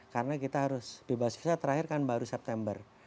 karena kita harus bebas visa terakhir kan baru september